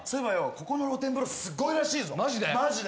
ここの露天風呂すっごいらしいぞマジで？